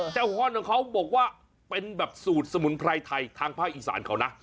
ฮอนของเขาบอกว่าเป็นแบบสูตรสมุนไพรไทยทางภาคอีสานเขานะ